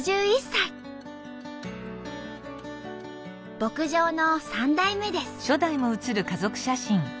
牧場の三代目です。